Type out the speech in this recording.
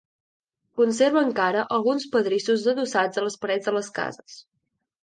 Conserva encara alguns pedrissos adossats a les parets de les cases.